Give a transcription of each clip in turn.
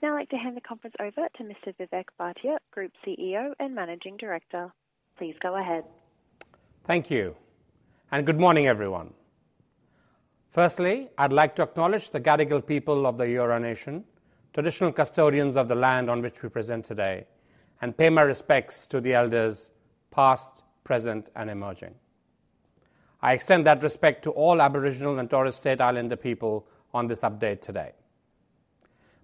I would now like to hand the conference over to Mr. Vivek Bhatia, Group CEO and Managing Director. Please go ahead. Thank you, and good morning, everyone. Firstly, I'd like to acknowledge the Gadigal people of the Eora Nation, traditional custodians of the land on which we present today, and pay my respects to the elders past, present, and emerging. I extend that respect to all Aboriginal and Torres Strait Islander people on this update today.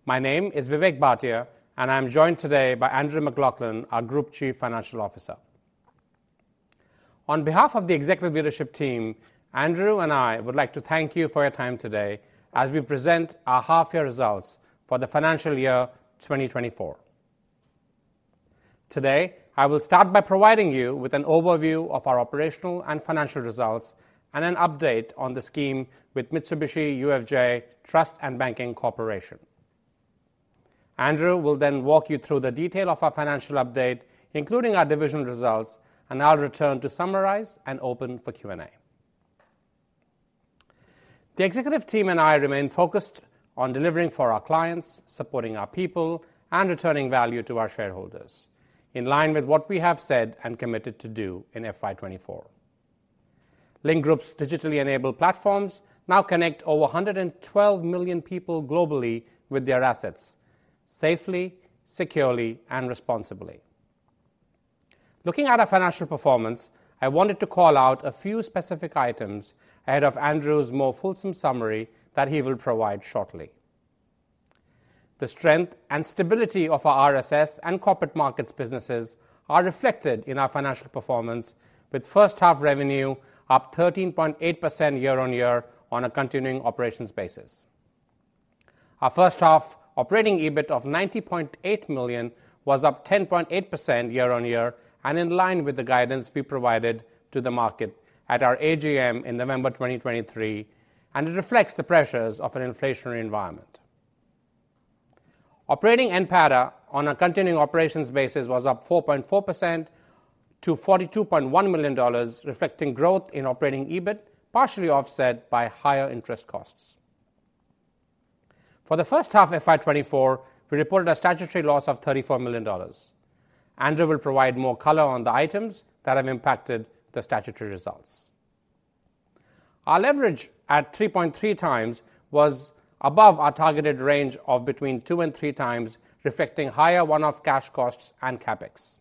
My name is Vivek Bhatia, and I'm joined today by Andrew MacLachlan, our Group Chief Financial Officer. On behalf of the Executive Leadership Team, Andrew and I would like to thank you for your time today as we present our half-year results for the financial year 2024. Today, I will start by providing you with an overview of our operational and financial results and an update on the scheme with Mitsubishi UFJ Trust and Banking Corporation. Andrew will then walk you through the detail of our financial update, including our division results, and I'll return to summarize and open for Q&A. The Executive Team and I remain focused on delivering for our clients, supporting our people, and returning value to our shareholders in line with what we have said and committed to do in FY 2024. Link Group's digitally-enabled platforms now connect over 112 million people globally with their assets safely, securely, and responsibly. Looking at our financial performance, I wanted to call out a few specific items ahead of Andrew's more fulsome summary that he will provide shortly. The strength and stability of our RSS and Corporate Markets businesses are reflected in our financial performance, with first-half revenue up 13.8% year-over-year on a continuing operations basis. Our first-half operating EBIT of 90.8 million was up 10.8% year-on-year and in line with the guidance we provided to the market at our AGM in November 2023, and it reflects the pressures of an inflationary environment. Operating NPATA on a continuing operations basis was up 4.4% to 42.1 million dollars, reflecting growth in operating EBIT partially offset by higher interest costs. For the first-half FY 2024, we reported a statutory loss of 34 million dollars. Andrew will provide more color on the items that have impacted the statutory results. Our leverage at 3.3x was above our targeted range of between two-three times, reflecting higher one-off cash costs and CapEx.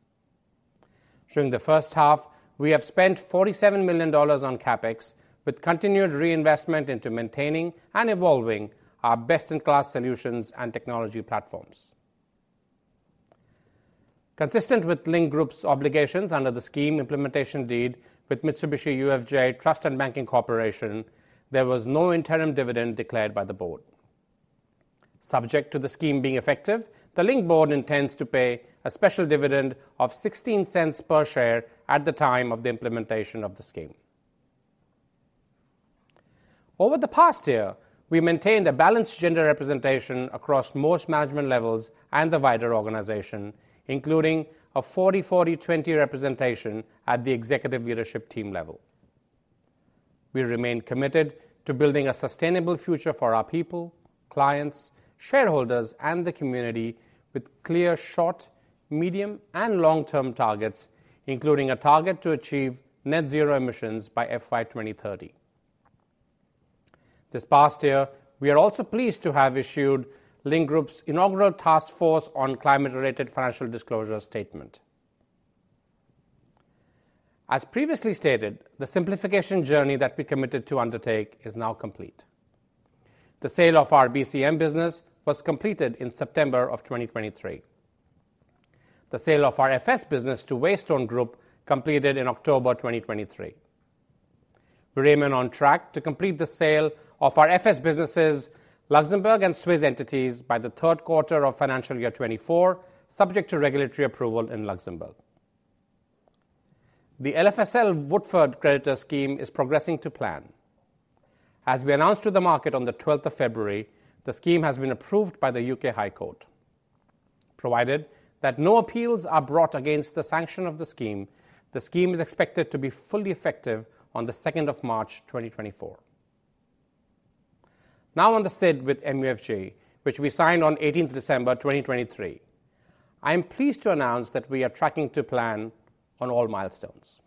During the first half, we have spent 47 million dollars on CapEx, with continued reinvestment into maintaining and evolving our best-in-class solutions and technology platforms. Consistent with Link Group's obligations under the Scheme Implementation Deed with Mitsubishi UFJ Trust and Banking Corporation, there was no interim dividend declared by the board. Subject to the scheme being effective, the Link Board intends to pay a special dividend of 0.0016 per share at the time of the implementation of the scheme. Over the past year, we maintained a balanced gender representation across most management levels and the wider organization, including a 40-40-20 representation at the Executive Leadership Team level. We remain committed to building a sustainable future for our people, clients, shareholders, and the community, with clear short, medium, and long-term targets, including a target to achieve net-zero emissions by FY 2030. This past year, we are also pleased to have issued Link Group's inaugural Task Force on Climate-Related Financial Disclosures Statement. As previously stated, the simplification journey that we committed to undertake is now complete. The sale of our BCM business was completed in September of 2023. The sale of our FS business to Waystone Group completed in October 2023. We remain on track to complete the sale of our FS businesses, Luxembourg and Swiss entities, by the third quarter of financial year 2024, subject to regulatory approval in Luxembourg. The LFSL Woodford Creditor Scheme is progressing to plan. As we announced to the market on the 12th of February, the scheme has been approved by the U.K. High Court. Provided that no appeals are brought against the sanction of the scheme, the scheme is expected to be fully effective on the 2nd of March 2024. Now on the SID with MUFJ, which we signed on 18th December 2023, I am pleased to announce that we are tracking to plan on all milestones.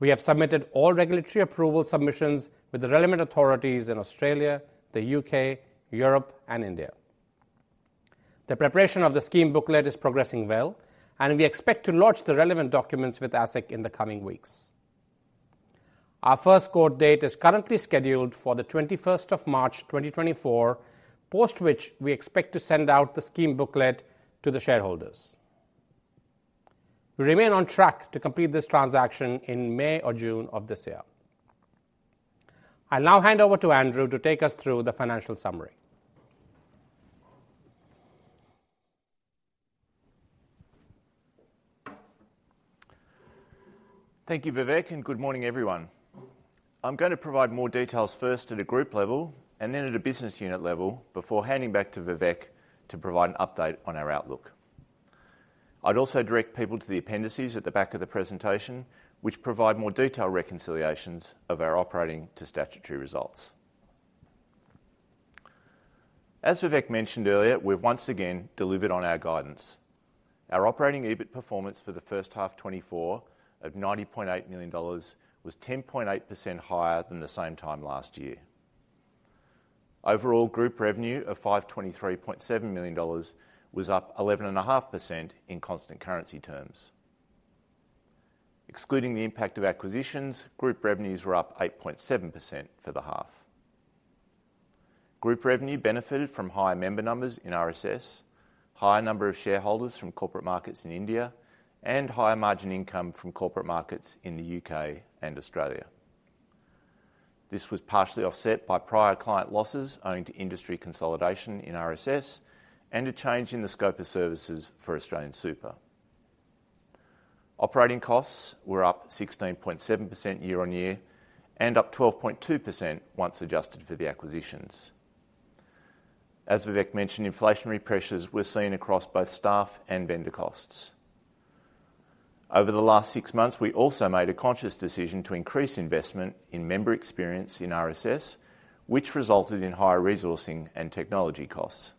We have submitted all regulatory approval submissions with the relevant authorities in Australia, the U.K., Europe, and India. The preparation of the scheme booklet is progressing well, and we expect to launch the relevant documents with ASIC in the coming weeks. Our first court date is currently scheduled for the 21st of March 2024, post which we expect to send out the scheme booklet to the shareholders. We remain on track to complete this transaction in May or June of this year. I'll now hand over to Andrew to take us through the financial summary. Thank you, Vivek, and good morning, everyone. I'm going to provide more details first at a group level and then at a business unit level before handing back to Vivek to provide an update on our outlook. I'd also direct people to the appendices at the back of the presentation, which provide more detailed reconciliations of our operating to statutory results. As Vivek mentioned earlier, we've once again delivered on our guidance. Our operating EBIT performance for the first half 2024 of 90.8 million dollars was 10.8% higher than the same time last year. Overall group revenue of 523.7 million dollars was up 11.5% in constant currency terms. Excluding the impact of acquisitions, group revenues were up 8.7% for the half. Group revenue benefited from higher member numbers in RSS, higher number of shareholders from Corporate Markets in India, and higher margin income from Corporate Markets in the U.K. and Australia. This was partially offset by prior client losses owing to industry consolidation in RSS and a change in the scope of services for AustralianSuper. Operating costs were up 16.7% year-on-year and up 12.2% once adjusted for the acquisitions. As Vivek mentioned, inflationary pressures were seen across both staff and vendor costs. Over the last six months, we also made a conscious decision to increase investment in member experience in RSS, which resulted in higher resourcing and technology costs.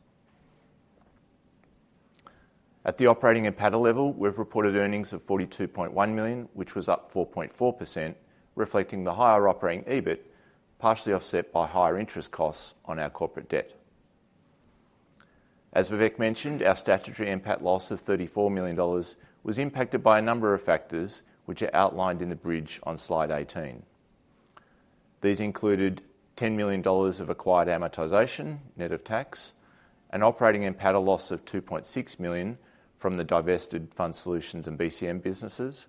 At the operating and NPATA level, we've reported earnings of 42.1 million, which was up 4.4%, reflecting the higher operating EBIT, partially offset by higher interest costs on our corporate debt. As Vivek mentioned, our statutory NPAT loss of 34 million dollars was impacted by a number of factors which are outlined in the bridge on slide 18. These included 10 million dollars of acquired amortization net of tax, an operating NPATA loss of 2.6 million from the divested Fund Solutions and BCM businesses,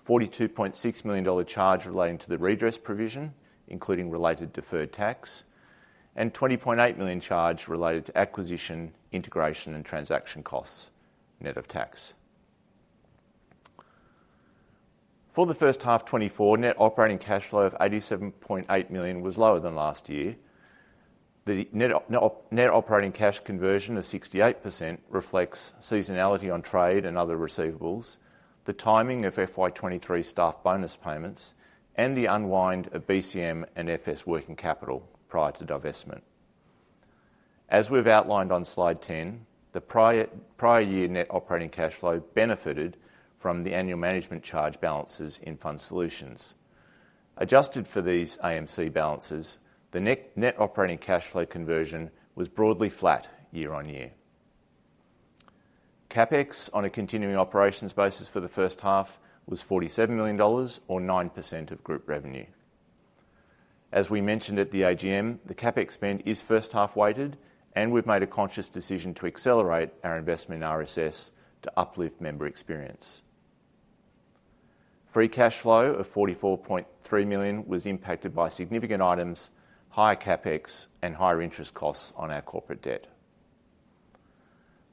a 42.6 million dollar charge relating to the redress provision including related deferred tax, and a 20.8 million charge related to acquisition, integration, and transaction costs net of tax. For the first half 2024, net operating cash flow of 87.8 million was lower than last year. The net operating cash conversion of 68% reflects seasonality on trade and other receivables, the timing of FY 2023 staff bonus payments, and the unwind of BCM and FS working capital prior to divestment. As we've outlined on slide 10, the prior year net operating cash flow benefited from the annual management charge balances in Fund Solutions. Adjusted for these AMC balances, the net operating cash flow conversion was broadly flat year-on-year. CapEx on a continuing operations basis for the first half was 47 million dollars or 9% of group revenue. As we mentioned at the AGM, the CapEx spend is first-half weighted, and we've made a conscious decision to accelerate our investment in RSS to uplift member experience. Free cash flow of 44.3 million was impacted by significant items, higher CapEx, and higher interest costs on our corporate debt.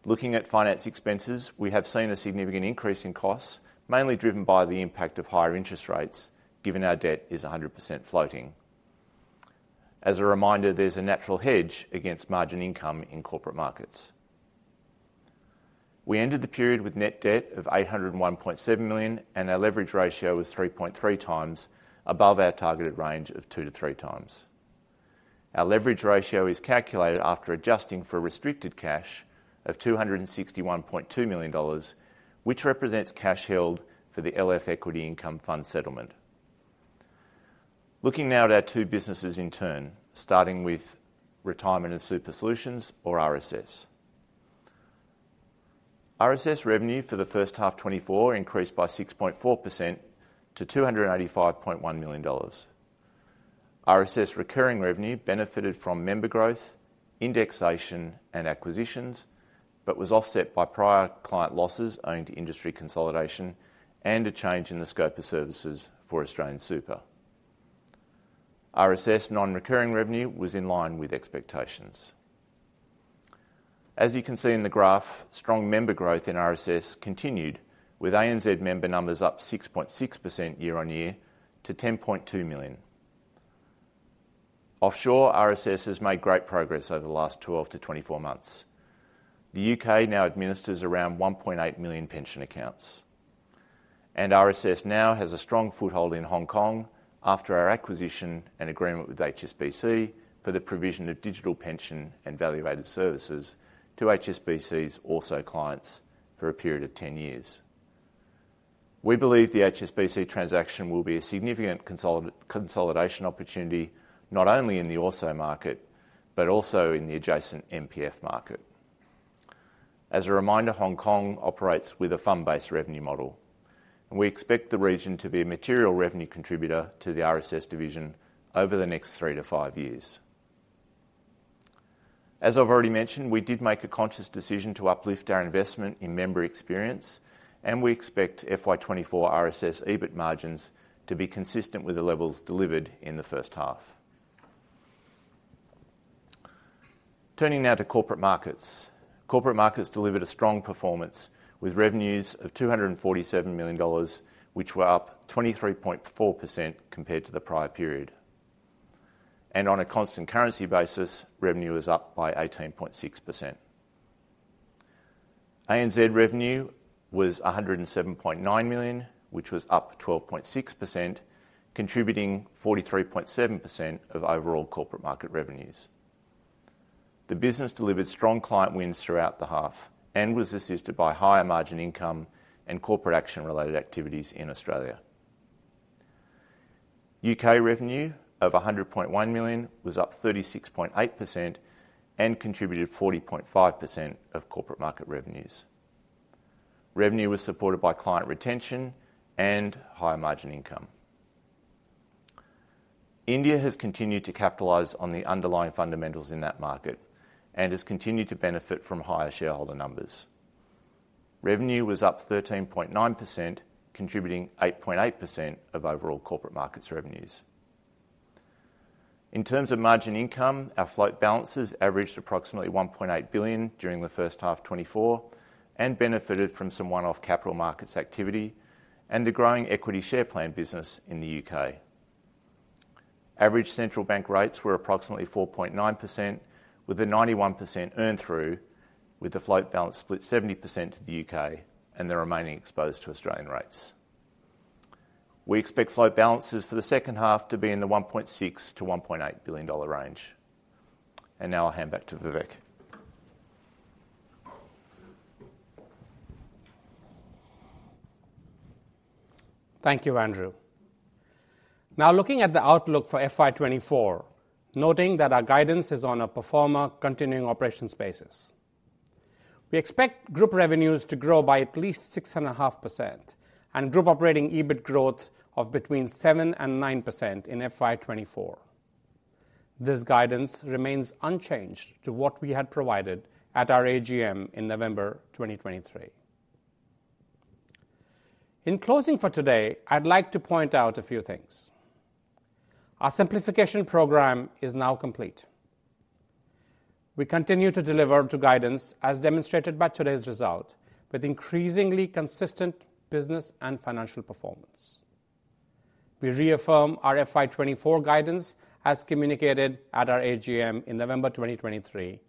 Looking at finance expenses, we have seen a significant increase in costs, mainly driven by the impact of higher interest rates given our debt is 100% floating. As a reminder, there's a natural hedge against margin income in corporate markets. We ended the period with net debt of 801.7 million, and our leverage ratio was 3.3 times above our targeted range of two to three times. Our leverage ratio is calculated after adjusting for a restricted cash of 261.2 million dollars, which represents cash held for the LF Equity Income Fund settlement. Looking now at our two businesses in turn, starting with Retirement and Super Solutions, or RSS. RSS revenue for the first half 2024 increased by 6.4% to 285.1 million dollars. RSS recurring revenue benefited from member growth, indexation, and acquisitions, but was offset by prior client losses owing to industry consolidation and a change in the scope of services for AustralianSuper. RSS non-recurring revenue was in line with expectations. As you can see in the graph, strong member growth in RSS continued, with ANZ member numbers up 6.6% year-on-year to 10.2 million. Offshore, RSS has made great progress over the last 12-24 months. The U.K. now administers around 1.8 million pension accounts, and RSS now has a strong foothold in Hong Kong after our acquisition and agreement with HSBC for the provision of digital pension and value-added services to HSBC's ORSO clients for a period of 10 years. We believe the HSBC transaction will be a significant consolidation opportunity not only in the ORSO market but also in the adjacent MPF market. As a reminder, Hong Kong operates with a fund-based revenue model, and we expect the region to be a material revenue contributor to the RSS division over the next three-five years. As I've already mentioned, we did make a conscious decision to uplift our investment in member experience, and we expect FY 2024 RSS EBIT margins to be consistent with the levels delivered in the first half. Turning now to Corporate Markets, Corporate Markets delivered a strong performance with revenues of 247 million dollars, which were up 23.4% compared to the prior period. On a constant currency basis, revenue is up by 18.6%. ANZ revenue was 107.9 million, which was up 12.6%, contributing 43.7% of overall Corporate Markets revenues. The business delivered strong client wins throughout the half, and was assisted by higher margin income and corporate action-related activities in Australia. U.K. revenue of 100.1 million was up 36.8% and contributed 40.5% of Corporate Markets revenues. Revenue was supported by client retention and higher margin income. India has continued to capitalize on the underlying fundamentals in that market and has continued to benefit from higher shareholder numbers. Revenue was up 13.9%, contributing 8.8% of overall Corporate Markets revenues. In terms of margin income, our float balances averaged approximately 1.8 billion during the first half 2024 and benefited from some one-off capital markets activity and the growing equity share plan business in the U.K. Average central bank rates were approximately 4.9%, with a 91% earn-through, with the float balance split 70% to the U.K. and the remaining exposed to Australian rates. We expect float balances for the second half to be in the 1.6 billion-1.8 billion dollar range. Now I'll hand back to Vivek. Thank you, Andrew. Now, looking at the outlook for FY 2024, noting that our guidance is on a pro-forma continuing operations basis, we expect group revenues to grow by at least 6.5% and group operating EBIT growth of between 7 and 9% in FY 2024. This guidance remains unchanged to what we had provided at our AGM in November 2023. In closing for today, I'd like to point out a few things. Our simplification program is now complete. We continue to deliver to guidance, as demonstrated by today's result, with increasingly consistent business and financial performance. We reaffirm our FY 2024 guidance, as communicated at our AGM in November 2023,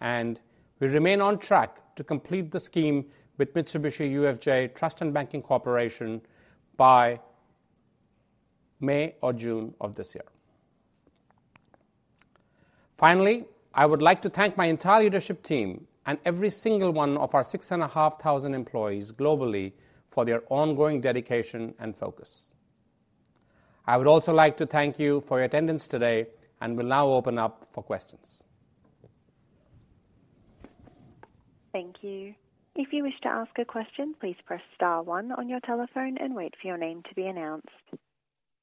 and we remain on track to complete the scheme with Mitsubishi UFJ Trust and Banking Corporation by May or June of this year. Finally, I would like to thank my entire leadership team and every single one of our 6,500 employees globally for their ongoing dedication and focus. I would also like to thank you for your attendance today, and we'll now open up for questions. Thank you. If you wish to ask a question, please press star one on your telephone and wait for your name to be announced.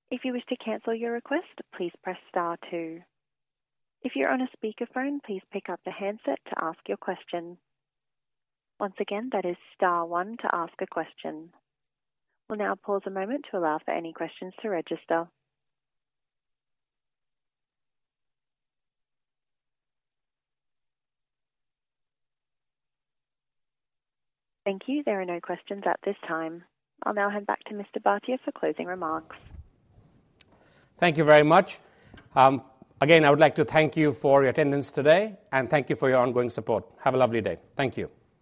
If you wish to cancel your request, please press star two. If you're on a speakerphone, please pick up the handset to ask your question. Once again, that is star one to ask a question. We'll now pause a moment to allow for any questions to register. Thank you. There are no questions at this time. I'll now hand back to Mr. Bhatia for closing remarks. Thank you very much. Again, I would like to thank you for your attendance today, and thank you for your ongoing support. Have a lovely day. Thank you.